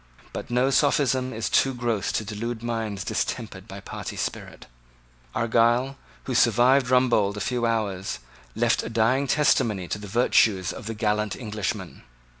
But no sophism is too gross to delude minds distempered by party spirit. Argyle, who survived Rumbold a few hours, left a dying testimony to the virtues of the gallant Englishman.